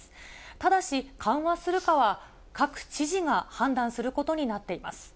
ただし、緩和するかは各知事が判断することになっています。